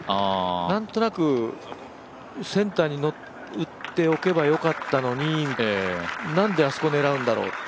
なんとなく、センターに打っておけばよかったのになんであそこ狙うんだろうと。